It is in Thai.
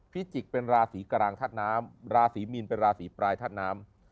พิจิกต์เป็นราศรีกรางทัศน้ำราศรีมีนเป็นราศรีปลายทัศน้ำ